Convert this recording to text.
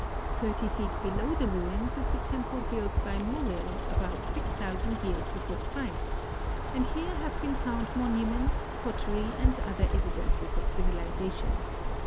Thirty feet below the ruins is the temple built by Mullil about 6,000 j'^ears before Christ, and here have been found monuments, pottery, and other evi dences of civilization.